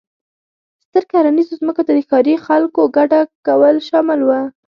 ستر کرنیزو ځمکو ته د ښاري خلکو کډه کول شامل و.